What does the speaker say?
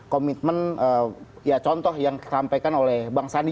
komitmen ya contoh yang disampaikan oleh bang sandi